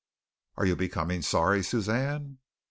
"Are you becoming sorry, Suzanne?"